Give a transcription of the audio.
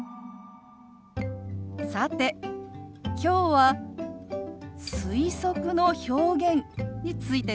さてきょうは推測の表現についてです。